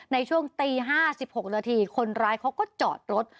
ในช่วงตี๕๖นาทีคนร้ายเขาก็จอดรถ